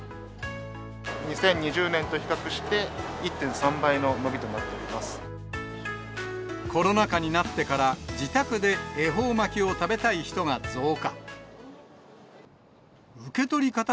２０２０年と比較して、コロナ禍になってから、自宅で恵方巻きを食べたい人が増加。